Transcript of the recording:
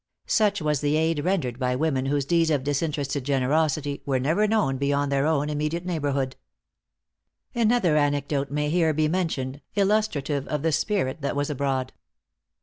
Such was the aid rendered by women whose deeds of disinterested generosity were never known beyond their own immediate neighborhood! Another anecdote may here be mentioned, illustrative of the spirit that was abroad.